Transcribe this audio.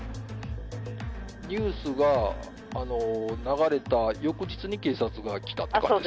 ニュースが流れた翌日に警察が来たって感じですか？